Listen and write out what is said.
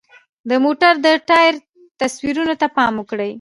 د موټر د ټایر تصویرو ته پام وکړئ.